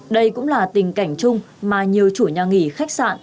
đây cũng là tình cảnh chung mà nhiều chủ nhà nghỉ khách sạn